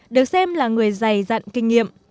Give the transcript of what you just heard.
được xem là người dày dặn kinh nghiệm